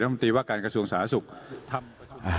ธรรมตีว่าการกระทรวงศาสตร์ธรรมนาศุกร์